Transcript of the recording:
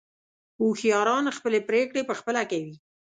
هوښیاران خپلې پرېکړې په خپله کوي.